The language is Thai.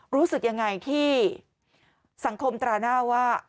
รู้สึกยังไงที่สังคมตราหน้าว่า